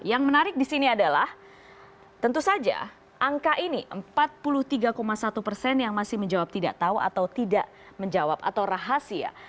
yang menarik di sini adalah tentu saja angka ini empat puluh tiga satu persen yang masih menjawab tidak tahu atau tidak menjawab atau rahasia